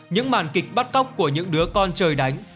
những màn kịch bắt cóc của những đứa con trời đánh